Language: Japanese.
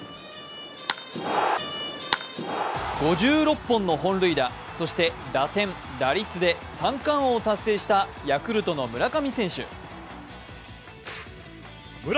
５６本の本塁打、そして打点、打率で三冠王を達成したヤクルトの村上選手。